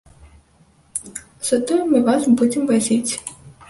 Затое мы вас будзем вазіць.